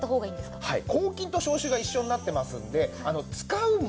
抗菌と消臭が一緒になってますんで使う前